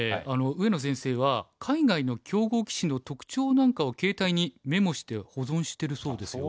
上野先生は海外の強豪棋士の特徴なんかを携帯にメモして保存してるそうですよ。